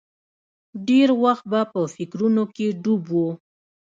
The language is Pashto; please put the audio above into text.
ډېر وخت به په فکرونو کې ډوب و.